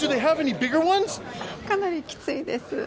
かなりきついです。